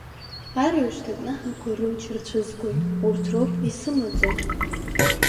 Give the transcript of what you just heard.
Арҩаш ҭакнаҳақәа рымч рцәызгоит, урҭ роуп исымаӡо…